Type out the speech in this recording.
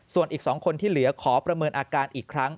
ส่วนอีก๒คนที่เหลือขอประเมินอาการอีกครั้ง